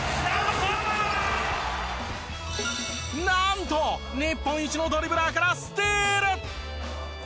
なんと日本一のドリブラーからスティール！